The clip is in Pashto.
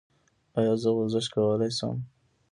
ایا زه ورزش کولی شم؟